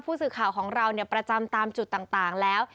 ผู้สื่อข่าวของเราประจำตามจุดต่างแล้ว